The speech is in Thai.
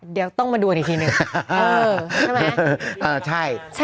เดี๋ยวต้องมาดูอีกทีหนึ่งเออใช่ไหมอ่าใช่